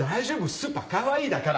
スーパーかわいいだから。